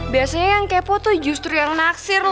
biasanya yang kepo tuh justru yang naksir